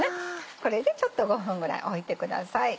これでちょっと５分ぐらい置いてください。